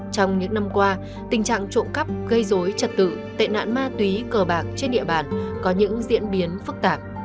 trong những năm qua tình trạng trộm cắp gây dối trật tự tệ nạn ma túy cờ bạc trên địa bàn có những diễn biến phức tạp